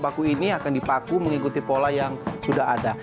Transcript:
dan paku paku ini akan dipaku mengikuti pola yang sudah ada